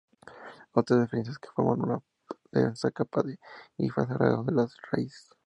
Otra diferencia es que forman una densa capa de hifas alrededor de las raíces.